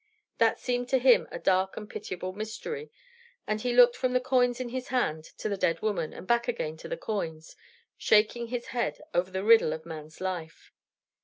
That seemed to him a dark and pitiable mystery; and he looked from the coins in his hand to the dead woman, and back again to the coins, shaking his head over the riddle of man's life.